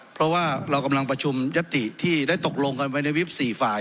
เพราะว่าเรากำลังประชุมยัตติที่ได้ตกลงกันไว้ในวิป๔ฝ่าย